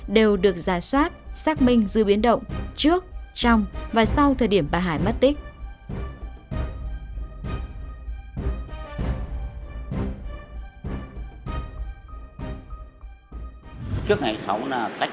đều được giả soát xác minh dư biến động trước trong và sau thời điểm bà hải mất tích